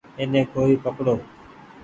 ايني ڪوئي پڪڙو ۔